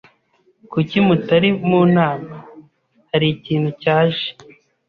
"Kuki mutari mu nama?" "Hari ikintu cyaje."